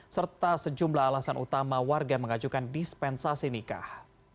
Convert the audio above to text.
serta sejumlah alasan utama warga mengajukan dispensasi nikah